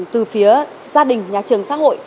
từ phía gia đình nhà trường xã hội